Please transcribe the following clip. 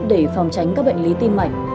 để phòng tránh các bệnh lý tim mạch